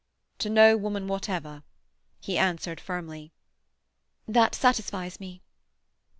"To no woman whatever," he answered firmly. "That satisfies me."